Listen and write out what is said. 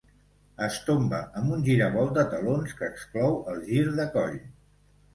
Es tomba amb un giravolt de talons que exclou el gir de coll.